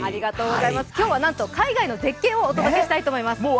今日はなんと海外の絶景をお届けしたいと思います。